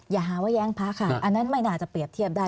อย่าหาว่าแย้งพระค่ะอันนั้นไม่น่าจะเปรียบเทียบได้